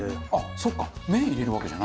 あっそっか。